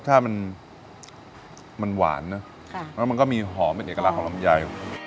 ถ้ามันหวานเนอะแล้วมันก็มีหอมเป็นเอกลักษณ์ลำไย